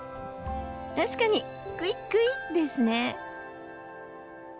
確かに「クイクイッ」ですね。